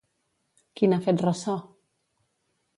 Qui n'ha fet ressò?